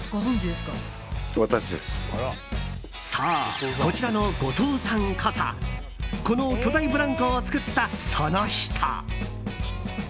そう、こちらの後藤さんこそこの巨大ブランコを作ったその人。